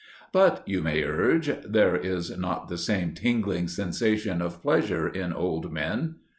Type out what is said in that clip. But you may urge there is not the same tingling sensation of pleasure in old men.